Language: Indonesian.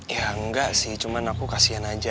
ya enggak sih cuma aku kasian aja